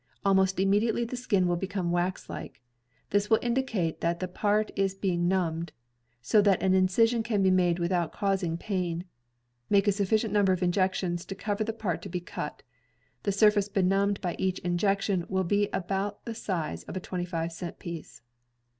Almost immediately the skin will become waxlike — this will indicate that the part is be numbed, so that an incision can be made without causing pain. Make a sufficient number of injections to cover the part to be cut. The surface benumbed by each injection will be about the size of a 25 cent piece.